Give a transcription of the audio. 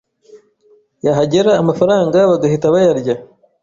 yahagera amafaranga bagahita bayarya,